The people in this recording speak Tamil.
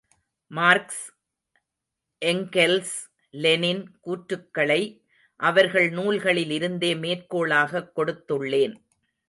மார்க்ஸ், எங்கெல்ஸ், லெனின் கூற்றுக்களை அவர்கள் நூல்களில் இருந்தே மேற்கோளாகக் கொடுத்துள்ளேன்.